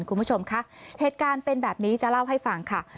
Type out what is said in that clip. คุณผู้ชมคะเหตุการณ์เป็นแบบนี้จะเล่าให้ฟังค่ะ